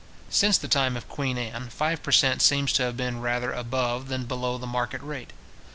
Since the time of Queen Anne, five per cent. seems to have been rather above than below the market rate.